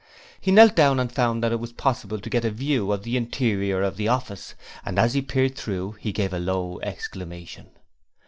He knelt down and found that it was possible to get a view of the interior of the office, and as he peered through he gave a low exclamation.